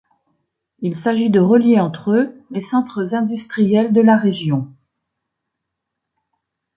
Il s’agit de relier entre eux les centres industriels de la région.